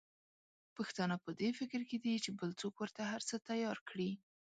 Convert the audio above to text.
پښتانه په دي فکر کې دي چې بل څوک ورته هرڅه تیار کړي.